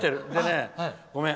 ごめん。